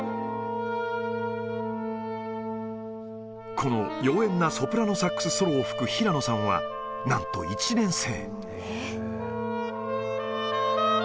この妖艶なソプラノサックスソロを吹く平野さんは、なんと１年生。